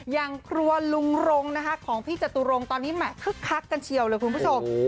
อย่างครัวลุงรงนะคะของพี่จตุรงค์ตอนนี้แห่คึกคักกันเชียวเลยคุณผู้ชม